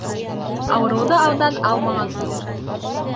Ауырыуҙы алдан алмаған үлер